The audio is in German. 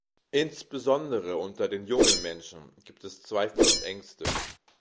Insbesondere unter den jungen Menschen gibt es Zweifel und Ängste.